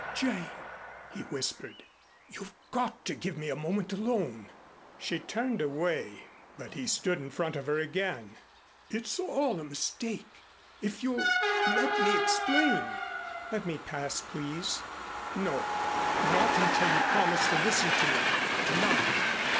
"Jane," he whispered, "you've got to give me a moment alone." She turned away, but he stood in front of her again. "It's all a mistake, if you'll let me explain " "Let me pass, please." "No, not until you promise to listen to me to night.